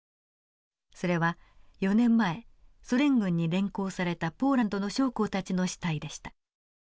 それは４年前ソ連軍に連行されたポーランドの将校たちの死体でした。